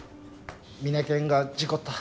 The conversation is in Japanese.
ミネケンが事故った。